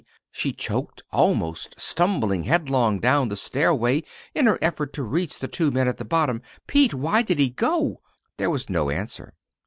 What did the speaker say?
she choked, almost stumbling headlong down the stairway in her effort to reach the two men at the bottom. "Pete, why did he go?" There was no answer.